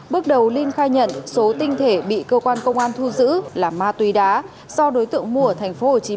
bước đầu linh khai nhận số tinh thể bị cơ quan công an thu giữ là ma túy đá do đối tượng mua ở thành phố hồ chí minh